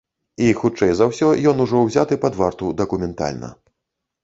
І хутчэй за ўсё ён ужо ўзяты пад варту дакументальна.